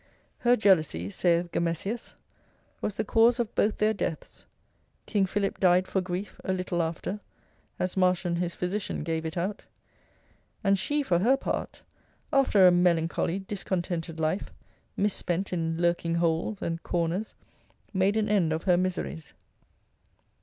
Her jealousy, saith Gomesius, was the cause of both their deaths: King Philip died for grief a little after, as Martian his physician gave it out, and she for her part after a melancholy discontented life, misspent in lurking holes and corners, made an end of her miseries.